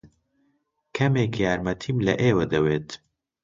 کەمێک یارمەتیم لە ئێوە دەوێت.